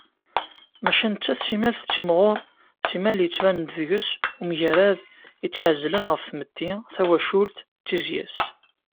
Maca, nettat simmal tettimɣur simmal yettban-d deg-s umgarad i tt-iεezlen ɣef tmetti, tawacult d tizya-s.